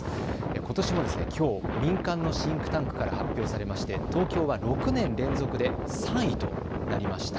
ことしもきょう、民間のシンクタンクから発表されまして東京は６年連続で３位となりました。